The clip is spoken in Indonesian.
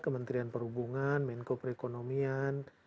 kementerian perhubungan menko preekonomian